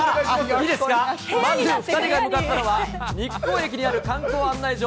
いいですか、まず２人が向かったのは日光駅にある観光案内所。